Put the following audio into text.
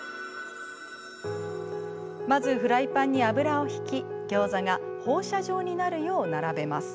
まずフライパンに油を引きギョーザが放射状になるよう並べます。